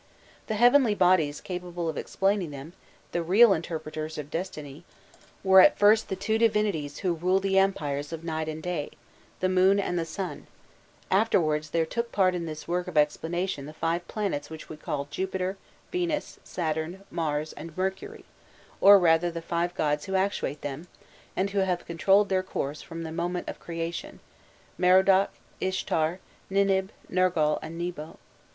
The heavenly bodies capable of explaining them, the real interpreters of destiny, were at first the two divinities who rule the empires of night and day the moon and the sun; afterwards there took part in this work of explanation the five planets which we call Jupiter, Venus, Saturn, Mars, and Mercury, or rather the five gods who actuate them, and who have controlled their course from the moment of creation Merodach, Ishtar, Ninib, Nergal, and Nebo.